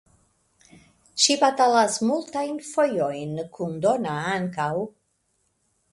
Ŝi batalas multajn fojojn kun Donna ankaŭ.